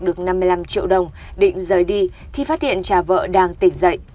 được năm mươi năm triệu đồng định rời đi khi phát hiện cha vợ đang tỉnh dậy